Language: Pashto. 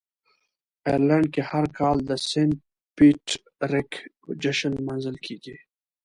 آیرلنډ کې هر کال د "سینټ پیټریک" جشن لمانځل کیږي.